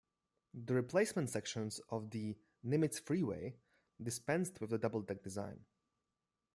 The replacement sections of the Nimitz Freeway dispensed with the double-deck design.